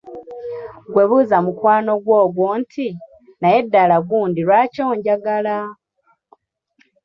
"Ggwe buuza mukwano gwo nti, “ Naye ddala gundi lwaki onjagala ?"""